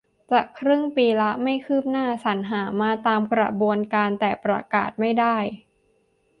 จะครึ่งปีละ ไม่คืบหน้า สรรหามาตามกระบวนการ แต่ประกาศไม่ได้